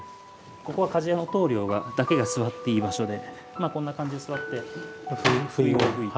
ここは鍛冶屋の棟梁だけが座っていい場所でこんな感じで座ってふいごを吹いて。